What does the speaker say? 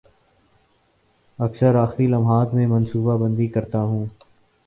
اکثر آخری لمحات میں منصوبہ بندی کرتا ہوں